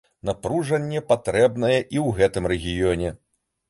Напружанне патрэбнае і ў гэтым рэгіёне.